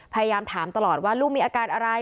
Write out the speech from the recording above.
พยายามถามตลอดว่าลูกมีอาการอะไร